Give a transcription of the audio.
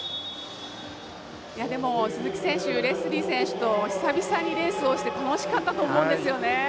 でも、鈴木選手レスリー選手と久々にレースをして楽しかったと思うんですよね。